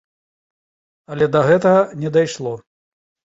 Але да гэтага не дайшло.